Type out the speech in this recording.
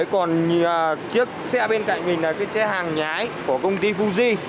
còn chiếc xe bên cạnh mình là cái xe hàng nhái của công ty fuji